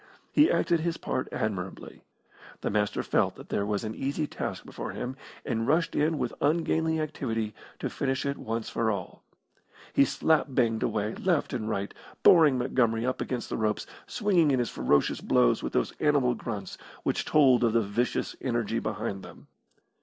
He acted his part admirably. The Master felt that there was an easy task before him, and rushed in with ungainly activity to finish it once for all. He slap banged away left and right, boring Montgomery up against the ropes, swinging in his ferocious blows with those animal grunts which told of the vicious energy behind them.